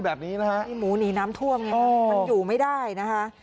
แบบนี้นะฮะมีหมูหนีน้ำท่วมไงมันอยู่ไม่ได้นะคะ